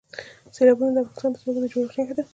سیلابونه د افغانستان د ځمکې د جوړښت نښه ده.